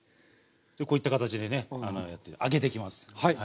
こういった形でね揚げていきます。